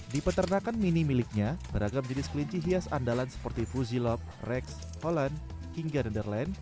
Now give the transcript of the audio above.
di peternakan mini miliknya beragam jenis kelinci hias andalan seperti fuzilob rex holland hingga renderland